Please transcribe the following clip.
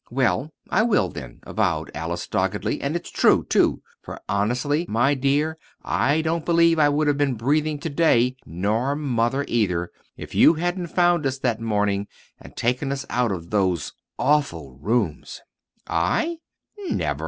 "Well, I will, then," avowed Alice, doggedly. "And it's true, too, for, honestly, my dear, I don't believe I would have been breathing to day, nor mother, either, if you hadn't found us that morning, and taken us out of those awful rooms." "I? Never!